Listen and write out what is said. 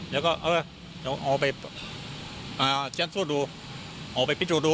แล้วก็เออเอาไปเซ็นซูดดูเอาไปพิจูดดู